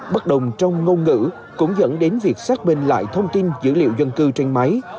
bất đồng trong ngôn ngữ cũng dẫn đến việc xác minh lại thông tin dữ liệu dân cư trên máy